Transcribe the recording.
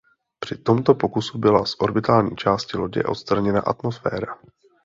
Při tomto pokusu byla z orbitální části lodě odstraněna atmosféra.